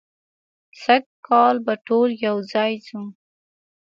سږ کال به ټول یو ځای ځو.